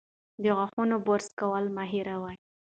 د غاښونو برس کول مه هېروئ.